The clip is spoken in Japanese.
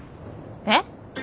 えっ！？